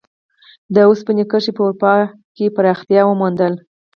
د اوسپنې کرښې په اروپا کې پراختیا وموندله.